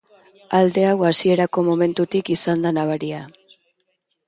Alde hau hasierako momentutik izan da nabaria.